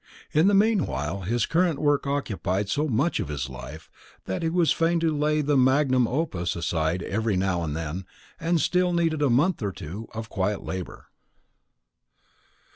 In the meanwhile his current work occupied so much of his life, that he was fain to lay the magnum opus aside every now and then, and it still needed a month or two of quiet labour.